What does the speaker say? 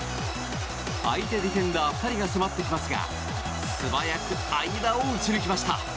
相手ディフェンダー２人が迫ってきますが素早く間を打ち抜きました。